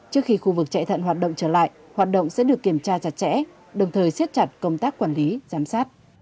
trước khi khu vực chạy thận hoạt động trở lại hoạt động sẽ được kiểm tra chặt chẽ đồng thời siết chặt công tác quản lý giám sát